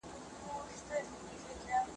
پوه انسان ځان سموي.